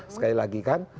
sekali lagi kan